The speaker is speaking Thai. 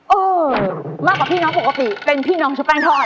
เออมากกว่าพี่น้องปกติเป็นพี่น้องชุบแป้งทอด